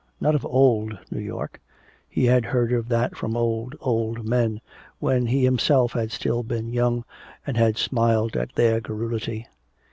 Not of old New York he had heard of that from old, old men when he himself had still been young and had smiled at their garrulity.